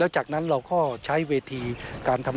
นอกจากวัดชัยวัฒนารามแล้ว